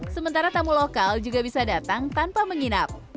sementara tamu lokal juga bisa datang tanpa menginap